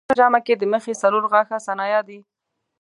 په هره ژامه کې د مخې څلور غاښه ثنایا دي.